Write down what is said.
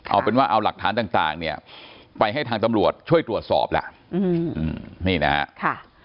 เอาเป็นว่าเอาหลักฐานต่างเนี่ยไปให้ทางตำรวจช่วยตรวจสอบแล้วนี่นะฮะ